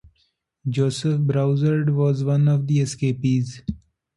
Joseph Broussard was one of the escapees.